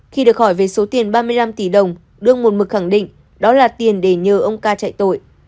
khi được hỏi về số tiền ba mươi năm tỷ đồng đương một mực khẳng định đó là tiền để nhờ ông ca chạy tội